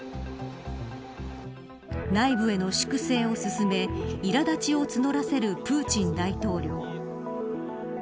内部への粛清を進めいら立ちを募らせるプーチン大統領。